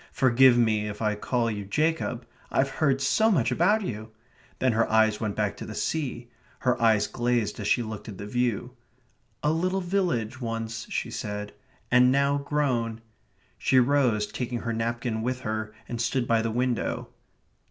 "Forgive me if I call you Jacob. I've heard so much of you." Then her eyes went back to the sea. Her eyes glazed as she looked at the view. "A little village once," she said, "and now grown...." She rose, taking her napkin with her, and stood by the window.